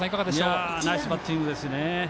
ナイスバッティングですね。